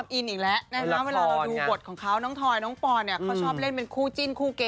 คู่นี้ก็โดนแซวมาเยอะเหลือเกินนะคะ